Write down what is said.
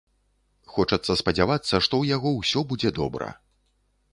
Хочацца спадзявацца, што ў яго ўсё будзе добра.